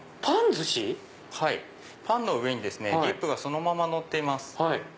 パンずし⁉パンの上にディップがそのままのっています。